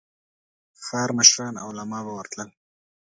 ښار مشران او علماء به ورتلل.